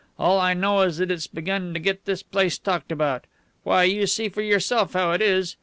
All I know is that it's begun to get this place talked about. Why, you see for yourself how it is.